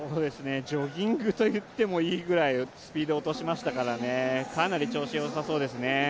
ジョギングといってもいいぐらいスピードを落としましたからかなり調子よさそうですね。